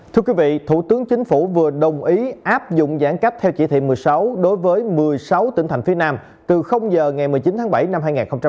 thưa quý vị thủ tướng chính phủ vừa đồng ý áp dụng giãn cách theo chỉ thị một mươi sáu đối với một mươi sáu tỉnh thành phía nam từ giờ ngày một mươi chín tháng bảy năm hai nghìn hai mươi